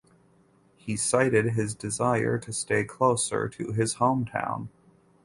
He cited his desire to stay closer to his hometown.